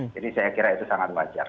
jadi saya kira itu sangat wajar